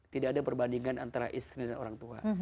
tidak ada perbandingan antara istri dan orang tua